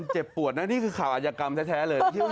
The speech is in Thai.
เจ็บปวดนะนี่คือข่าวอายกรรมแท้เลย